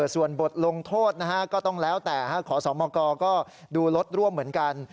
ส่วนบทลงโทษก็ต้องแล้วแต่ขอสมกก็ดูรถร่วมเหมือนกัน